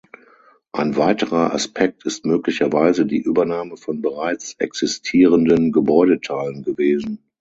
Ein weiterer Aspekt ist möglicherweise die Übernahme von bereits existierenden Gebäudeteilen gewesen.